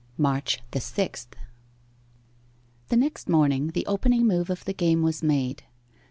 MARCH THE SIXTH The next morning the opening move of the game was made.